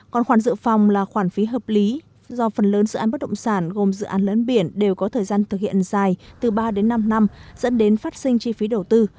còn khoản dự phòng là khoản phí hợp lý do phần lớn dự án bất động sản gồm dự án lấn biển đều có thời gian thực hiện dài từ ba đến năm năm dẫn đến phát sinh chi phí đầu tư